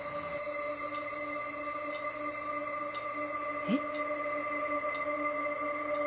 えっ？